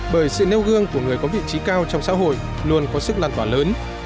bởi sự nêu gương của người có vị trí cao trong xã hội luôn có sức lan tỏa lớn